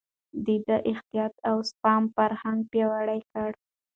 ده د احتياط او سپما فرهنګ پياوړی کړ.